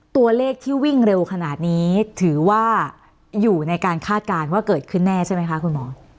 ตัวเลขที่วิ่งเร็วขนาดนี้ถือว่าอยู่ในการคาดการณ์ว่าเกิดขึ้นแน่ใช่ไหมคะคุณหมอ